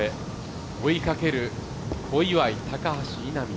追いかける小祝、高橋、稲見